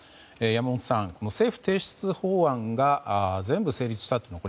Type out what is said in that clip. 山本さん、政府提出法案が全部成立したと。